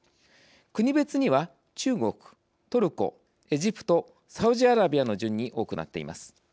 国別には、中国、トルコエジプト、サウジアラビアの順に多くなっています。